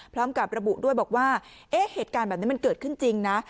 พร้อมกับระบุด้วยบอกว่าเหตุการณ์แบบนี้มันเกิดขึ้นจริงนะ